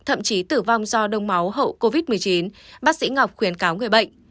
thậm chí tử vong do đông máu hậu covid một mươi chín bác sĩ ngọc khuyến cáo người bệnh